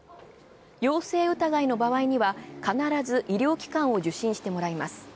陽性疑いの場合には、必ず医療機関を受診してもらいます。